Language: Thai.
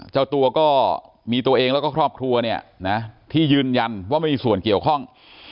เจ้าตัวก็มีตัวเองแล้วก็ครอบครัวเนี่ยนะที่ยืนยันว่าไม่มีส่วนเกี่ยวข้อง